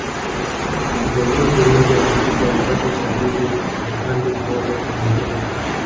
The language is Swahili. Viongozi wengi wa Afrika walipata usaidizi wa upande mmoja au mwingine